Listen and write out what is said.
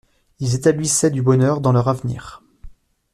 Ils établissaient du bonheur dans leur avenir.